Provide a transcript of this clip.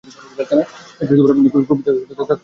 খুশিতে ভাতের দলা তাহার গলার মধ্যে আটকাইয়া যাইতেছিল যেন।